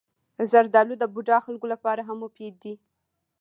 زردالو د بوډا خلکو لپاره هم مفید دی.